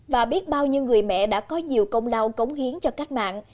và biết bao nhiêu người mẹ đã có nhiều công lao cống hiến cho cách mạng